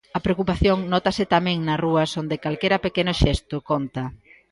A preocupación nótase tamén nas rúas onde calquera pequeno xesto conta.